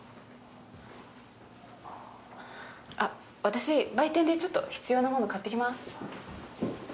あっ私売店でちょっと必要な物買ってきます。